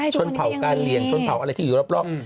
ชนเผาการเหลี่ยงชนเผาอะไรที่อยู่รอบ